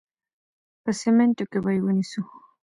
په سمینټو کې به یې ونیسو.